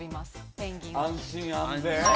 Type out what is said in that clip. ペンギンを。